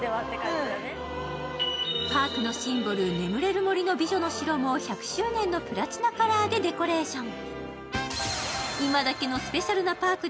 パークのシンボル、眠れる森の美女の城も１００周年のプラチナカラーでデコレーション。